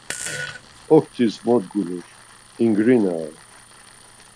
Oktis mot gulur, ingrinare.